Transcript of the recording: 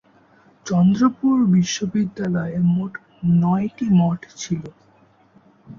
চন্দ্রপুর বিশ্ববিদ্যালয়ে মোট নয়টি মঠ ছিল।